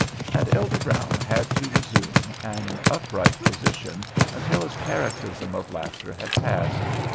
And Elder Brown had to resume an upright position until his paroxysm of laughter had passed.